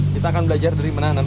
kita akan belajar dari menanam